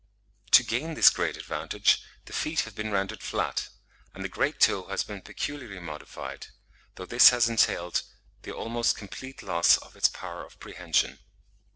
To gain this great advantage, the feet have been rendered flat; and the great toe has been peculiarly modified, though this has entailed the almost complete loss of its power of prehension.